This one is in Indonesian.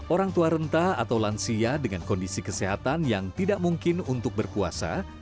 orang tua renta atau lansia dengan kondisi kesehatan yang tidak mungkin untuk berpuasa